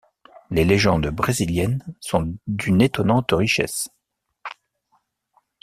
Les légendes brésiliennes sont d'une étonnante richesse.